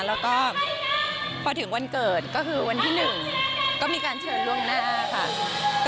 แล้วก็พอถึงวันเกิดก็คือวันที่๑ก็มีการเชิญล่วงหน้าค่ะ